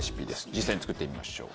実際に作ってみましょう。